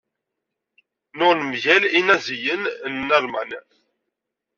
Nnuɣen mgal Inaẓiyen n Alman.